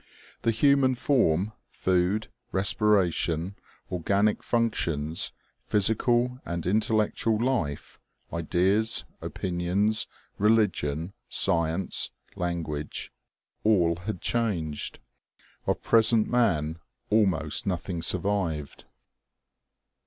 The human form, food, respiration, organic functions, physical and intellectual life, ideas, opinions, religion, science, language all had changed. Of present man almost nothing survived.